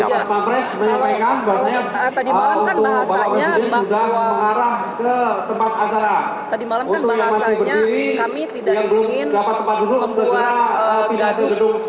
tadi malam kan bahasanya kami tidak ingin membuat gaduh